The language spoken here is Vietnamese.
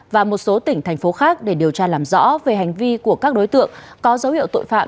và một số tỉnh thành phố khác để điều tra làm rõ về hành vi của các đối tượng có dấu hiệu tội phạm